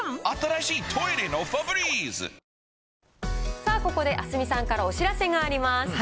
さあ、ここで明日海さんからお知らせがあります。